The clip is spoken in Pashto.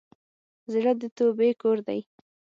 زړه د توبې کور دی.